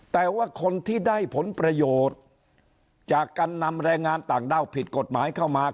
แต่ว่าคนที่ได้ผลประโยชน์จากการนำแรงงานต่างด้าวผิดกฎหมายเข้ามา